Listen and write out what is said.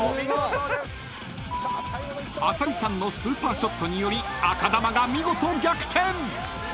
［浅利さんのスーパーショットにより赤球が見事逆転！］